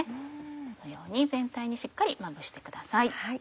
このように全体にしっかりまぶしてください。